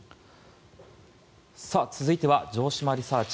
続いては城島リサーチ！